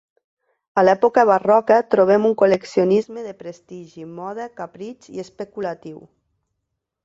A l'època barroca trobem un col·leccionisme de prestigi, moda, capritx i especulatiu.